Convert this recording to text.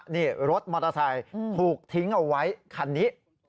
นี่รถมอเตอร์ไซค์ถูกทิ้งเอาไว้คันนี้